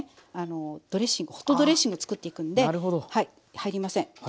ドレッシングホットドレッシングをつくっていくんではい入りません。